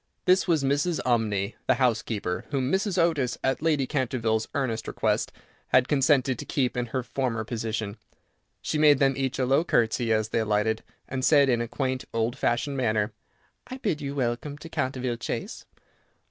This was Mrs. Umney, the housekeeper, whom Mrs. Otis, at Lady Canterville's earnest request, had consented to keep in her former position. She made them each a low curtsey as they alighted, and said in a quaint, old fashioned manner, "I bid you welcome to Canterville Chase."